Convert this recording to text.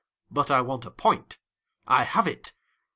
But I want a point. I have it